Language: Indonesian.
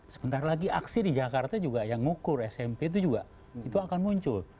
sebentar lagi aksi di jakarta juga yang ngukur smp itu juga itu akan muncul